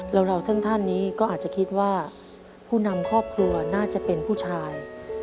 เราท่านนี้ก็อาจจะคิดว่าผู้นำครอบครัวน่าจะเป็นผู้ชาย